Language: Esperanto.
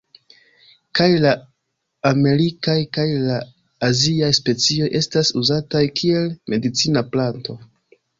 Kaj la amerikaj kaj la aziaj specioj estas uzataj kiel medicina planto.